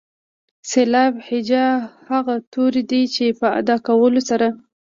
سېلاب هجا هغه توري دي چې په ادا کولو سره.